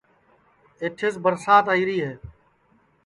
ایٹھیس برسات آئیری ہے